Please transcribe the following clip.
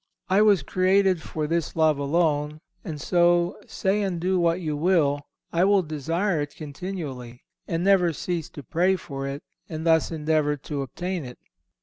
I was created for this love alone, and so, say and do what you will, I will desire it continually, and never cease to pray for it, and thus endeavour to obtain it."